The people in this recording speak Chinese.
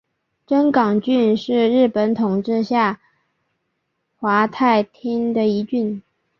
真冈郡是日本统治下桦太厅的一郡。